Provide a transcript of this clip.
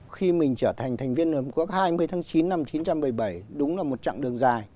khi mình trở thành thành viên liên hiệp quốc hai mươi tháng chín năm một nghìn chín trăm bảy mươi bảy đúng là một trận đường dài